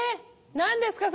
何ですか？